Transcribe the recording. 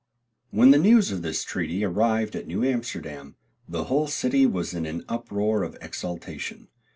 When the news of this treaty arrived at New Amsterdam, the whole city was in an uproar of exultation.